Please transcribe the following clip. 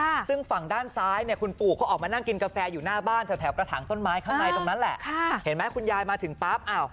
ซึ่งฝั่งด้านซ้ายเนี่ยคุณปู่ก็ออกมานั่งกินกาแฟอยู่หน้าบ้านแถวแถวกระถางต้นไม้ข้างในตรงนั้นแหละค่ะเห็นไหมคุณยายมาถึงปั๊บอ้าว